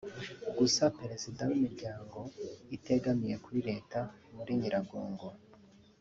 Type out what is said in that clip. Gusa Perezida w’Imiryango itegamiye kuri Leta muri Nyiragongo